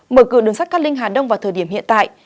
mở cửa đường sắt các lên hà đông vào thời điểm hiện tại